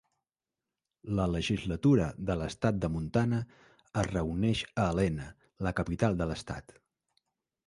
La Legislatura de l'estat de Montana es reuneix a Helena, la capital de l'estat.